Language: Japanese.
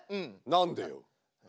「何でよ」。